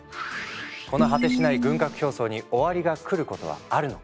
この果てしない軍拡競争に終わりが来ることはあるのか。